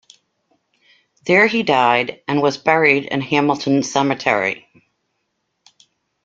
There he died and was buried in Hamilton cemetery.